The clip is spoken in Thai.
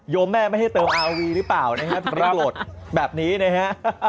โยมแม่ไม่ให้เติมอาร์โอวีหรือเปล่านะฮะแบบนี้นะฮะ